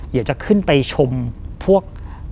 อยากจะขึ้นไปชมพวก